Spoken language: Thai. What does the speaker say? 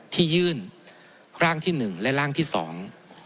ที่ยื่นร่างที่หนึ่งและร่างที่สอง